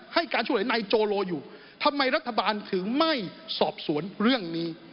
ให้การช่วยเหลือนายโจโลอยู่ทำไมรัฐบาลถึงไม่สอบสวนเรื่องนี้